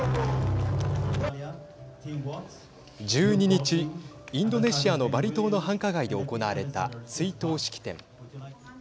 １２日、インドネシアのバリ島の繁華街で行われた追悼式典。